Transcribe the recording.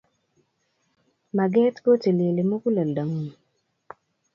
Maget kotilili muguleldo ngung